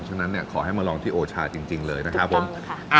ฉะนั้นขอให้มาลองที่โอชาจริงเลยนะครับผม